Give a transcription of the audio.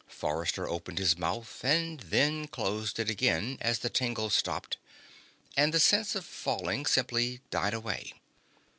Forrester opened his mouth and then closed it again as the tingle stopped, and the sense of falling simply died away.